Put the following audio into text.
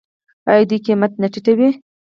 آیا دوی قیمت نه ټیټوي؟